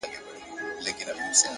هر منزل د نوې لارې پیل دی؛